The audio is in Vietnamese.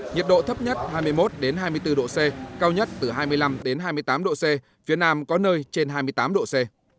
nhiệt độ thấp nhất hai mươi một hai mươi bốn độ c cao nhất từ hai mươi năm hai mươi tám độ c phía nam có nơi trên hai mươi tám độ c